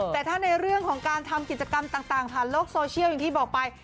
แต่ถ้าในเรื่องของการทำกิจกรรมต่างผ่านโลกโซเชียลอย่างที่บอกไป